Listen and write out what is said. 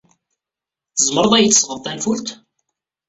Tzemred ad iyi-d-tesɣed tanfult?